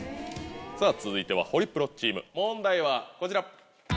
さぁ続いてはホリプロチーム問題はこちら。